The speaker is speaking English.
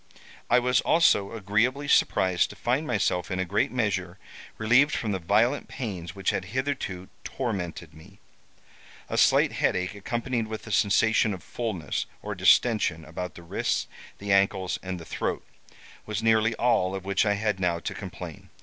I was also agreeably surprised to find myself, in a great measure, relieved from the violent pains which had hitherto tormented me. A slight headache, accompanied with a sensation of fulness or distention about the wrists, the ankles, and the throat, was nearly all of which I had now to complain.